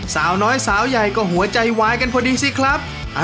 สาวน้อยสาวใหญ่ก็หัวใจวายกันพอดีสิครับ